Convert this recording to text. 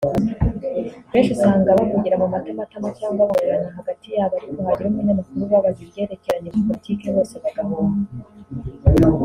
Benshi usanga bavugira mu matamatama cyangwa bongorerana hagati yabo ariko hagira umunyamakuru ubabaza ibyerekeranye na politiki bose bagahunga